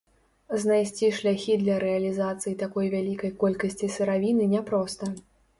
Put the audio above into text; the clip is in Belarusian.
Знайсці шляхі для рэалізацыі такой вялікай колькасці сыравіны няпроста.